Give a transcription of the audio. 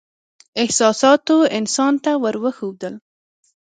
احساساتو انسان ته ور وښودل.